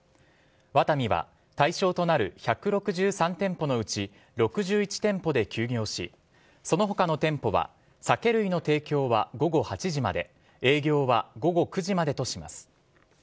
ワタミは対象となる１６３店舗のうち６１店舗で休業しその他の店舗は酒類の提供は午後８時まで営業は午後９時までとします。